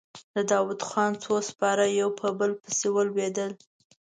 د داوودخان څو سپاره يو په بل پسې ولوېدل.